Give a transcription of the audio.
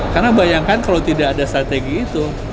karena bayangkan kalau tidak ada strategi itu